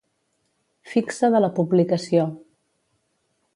Fixa de la Publicació.